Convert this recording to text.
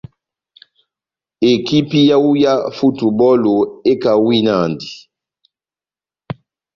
Ekipi yawu yá futubɔlu ekawinandi.